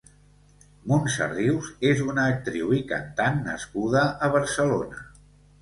Muntsa Rius és una actriu i cantant nascuda a Barcelona.